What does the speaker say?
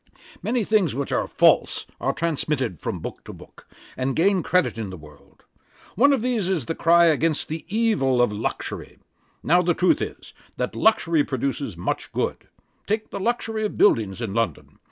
'Many things which are false are transmitted from book to book, and gain credit in the world. One of these is the cry against the evil of luxury. Now the truth is, that luxury produces much good. Take the luxury of buildings in London.